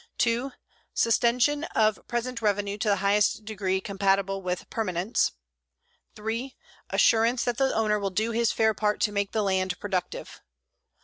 Sustention of present revenue to the highest degree compatible with permanence. 3. Assurance that the owner will do his fair part to make the land productive.